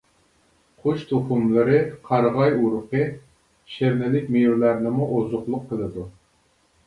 قۇش تۇخۇملىرى، قارىغاي ئۇرۇقى، شىرنىلىك مېۋىلەرنىمۇ ئوزۇقلۇق قىلىدۇ.